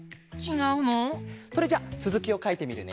それじゃあつづきをかいてみるね。